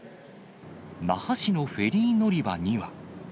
那覇市のフェリー乗り場には。